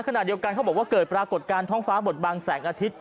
ขณะเดียวกันเขาบอกว่าเกิดปรากฏการณ์ท้องฟ้าบทบังแสงอาทิตย